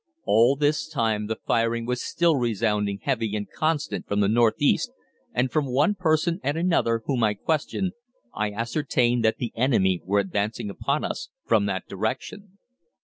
All this time the firing was still resounding heavy and constant from the north east, and from one person and another whom I questioned I ascertained that the enemy were advancing upon us from that direction.